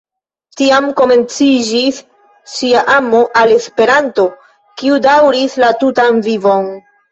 Tiam komenciĝis ŝia amo al Esperanto, kiu daŭris la tutan vivon.